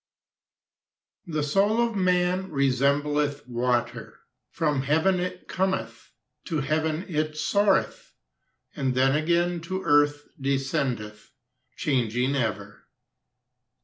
THE soul of man Resembleth water: From heaven it cometh, To heaven it soareth. And then again To earth descendeth, Changing ever.